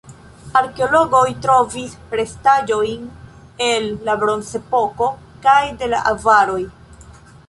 Arkeologoj trovis restaĵojn el la bronzepoko kaj de la avaroj.